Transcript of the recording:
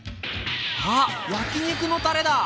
あっ焼き肉のたれだ！